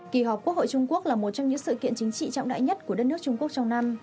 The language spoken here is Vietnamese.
kỳ họp quốc hội trung quốc là một trong những sự kiện chính trị trọng đại nhất của đất nước trung quốc trong năm